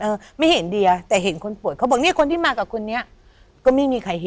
เออไม่เห็นเดียแต่เห็นคนป่วยเขาบอกเนี่ยคนที่มากับคนนี้ก็ไม่มีใครเห็น